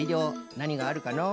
なにがあるかのう？